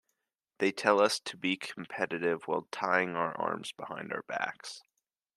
They tell us to be competitive while tying our arms behind our backs.